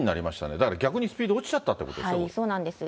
だから逆にスピード落ちちゃったってことですか、そうなんです。